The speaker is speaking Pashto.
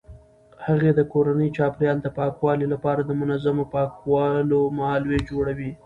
هغې د کورني چاپیریال د پاکوالي لپاره د منظمو پاکولو مهالویش جوړوي.